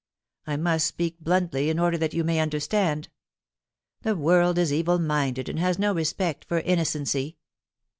I must speak bluntly in order that you may understand The world is evil minded, and has no respect for innocency.